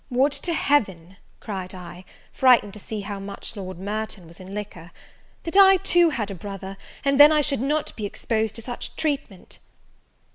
"Would to Heaven," cried I, frightened to see how much Lord Merton was in liquor, "that I too had a brother! and then I should not be exposed to such treatment."